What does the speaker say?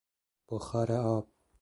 بخار آب